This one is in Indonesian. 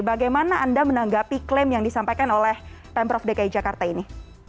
bagaimana anda menanggapi klaim yang disampaikan oleh pemprov dki jakarta ini